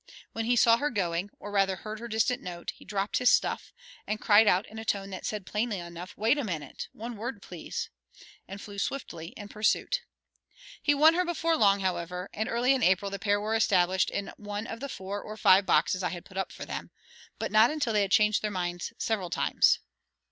When he saw her going, or rather heard her distant note, he dropped his stuff, and cried out in a tone that said plainly enough, "Wait a minute. One word, please," and flew swiftly in pursuit. He won her before long, however, and early in April the pair were established in one of the four or five boxes I had put up for them, but not until they had changed their minds several times.